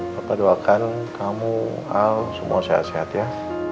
bapak doakan kamu al semua sehat sehat ya